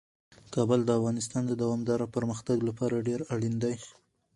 کابل د افغانستان د دوامداره پرمختګ لپاره ډیر اړین دی.